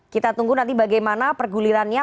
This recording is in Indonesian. kita tunggu nanti bagaimana pergulirannya